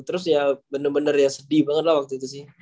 terus ya bener bener ya sedih banget lah waktu itu sih